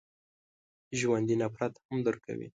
ژوندي نفرت هم درک کوي